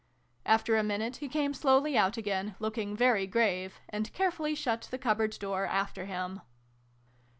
After a minute he came slowly out again, looking very grave, and carefully shut the cupboard door after him.